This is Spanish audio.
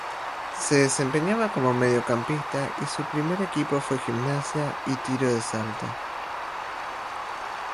Se desempeñaba como mediocampista y su primer equipo fue Gimnasia y Tiro de Salta.